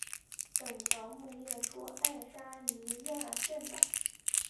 本条目列出爱沙尼亚政党。